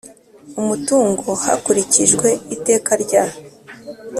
umutungo hakurikijwe iteka rya